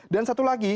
dan satu lagi